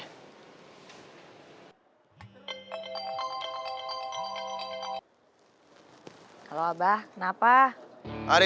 halo abah kenapa